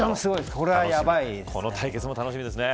この対決も楽しみですね。